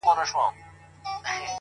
سپوږمۍ هغې ته په زاریو ویل -